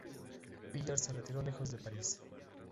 Villard se retiró lejos de París.